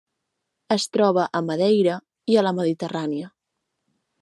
Es troba a Madeira i a la Mediterrània.